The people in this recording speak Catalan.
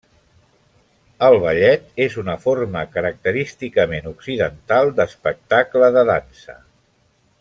El ballet és una forma característicament occidental d'espectacle de dansa.